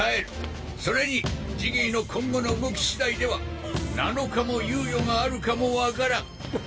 それにジギーの今後の動き次第では７日も猶予があるかも分からん。